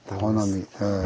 ええ。